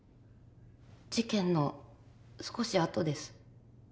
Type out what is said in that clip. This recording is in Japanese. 事件の少し後です。